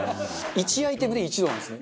１アイテムで「１ド」なんですね。